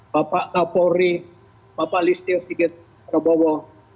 bapak kapolri bapak listil sikit robowo